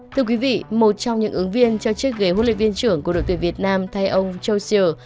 thưa quý vị một trong những ứng viên cho chiếc ghế huấn luyện viên trưởng của đội tuyển việt nam thay ông cho xỉ